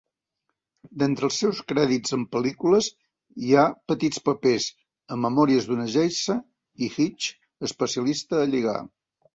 D'entre els seus crèdits en pel·lícules hi ha petits papers a "Memòries d'una geisha" i "Hitch, especialista a lligar".